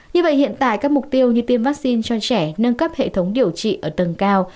như vậy hiện tại các mục tiêu như tiêm vaccine cho trẻ nâng cấp hệ thống điều trị ở tầng cao